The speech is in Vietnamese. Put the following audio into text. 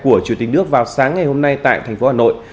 của chủ tịch nước vào sáng ngày hôm nay tại thành phố hà nội